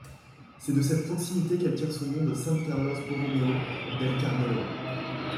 C’est de cette proximité qu’elle tire son nom de San Carlos Borromeo del Carmelo.